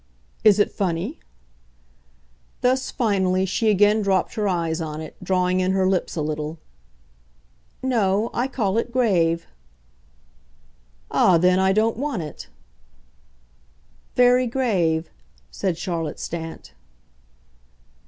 "Is it funny?" Thus, finally, she again dropped her eyes on it, drawing in her lips a little. "No I call it grave." "Ah, then, I don't want it." "Very grave," said Charlotte Stant.